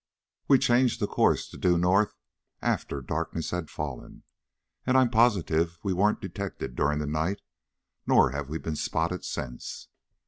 We changed the course to north after darkness had fallen. And I'm positive we weren't detected during the night, nor have we been spotted since."